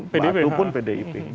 batu pun pdip